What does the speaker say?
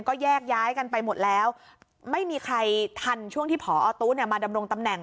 ก็แยกย้ายกันไปหมดแล้วไม่มีใครทันช่วงที่ผอตู้เนี่ยมาดำรงตำแหน่ง